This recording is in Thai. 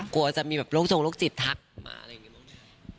กลัวจะมีแบบโรคทรงโรคจิตทักมาอะไรอย่างนี้บ้างไหม